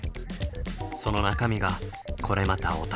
その中身がこれまたお宝。